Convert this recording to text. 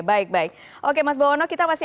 baik baik oke mas bowono kita masih